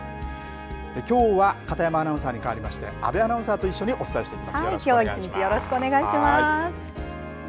きょうは片山アナウンサーに変わりまして安部アナウンサーときょう１日よろしくお願いします。